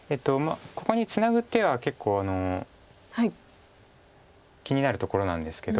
ここにツナぐ手は結構気になるところなんですけど。